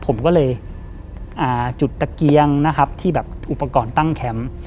ผมก็เลยจุดตะเกียงนะครับที่แบบอุปกรณ์ตั้งแคมป์